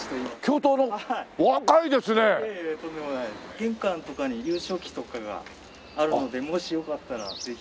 玄関とかに優勝旗とかがあるのでもしよかったらぜひ。